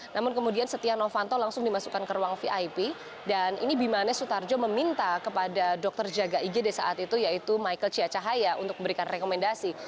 namun kemudian setia novanto langsung dimasukkan ke ruang vip dan ini bimanes sutarjo meminta kepada dokter jaga igd saat itu yaitu michael ciacahaya untuk memberikan rekomendasi